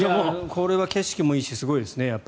これは景色もいいしすごいですね。